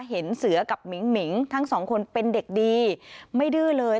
เห็นเสือกับมิงหิงทั้งสองคนเป็นเด็กดีไม่ดื้อเลย